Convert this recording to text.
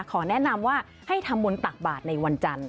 ขอแนะนำว่าให้ทำบุญตักบาทในวันจันทร์